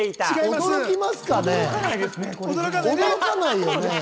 驚かないよね？